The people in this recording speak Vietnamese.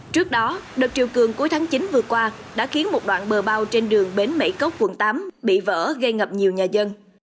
trước đó đợt triều cường cuối tháng chín vừa qua đã khiến một đoạn bờ bao trên đường bến mảy cốc quận tám bị vỡ gây ngập nhiều nhà dân